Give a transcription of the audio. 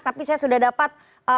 tapi saya sudah dapat